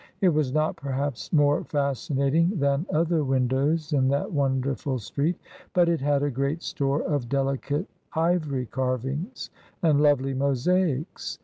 It was not, perhaps, more fascinating than other windows in that wonderful street, but it had a great store of delicate ivory carvings and lovely mosaics.